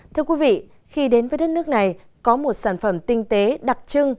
thưa quý vị khi đến với đất nước này có một sản phẩm tinh tế đặc trưng